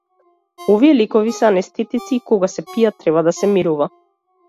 Овие лекови се анестетици и кога се пијат треба да се мирува.